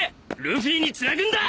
ルフィにつなぐんだ！